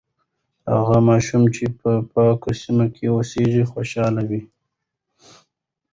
هغه ماشوم چې په پاکه سیمه کې اوسیږي، خوشاله وي.